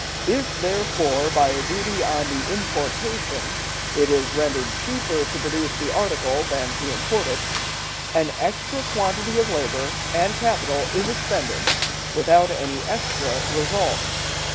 If, therefore, by a duty on the importation, it is rendered cheaper to produce the article than to import it, an extra quantity of labor and capital is expended, without any extra result.